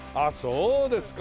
そうですか。